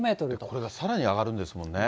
これがさらに上がるんですもんね。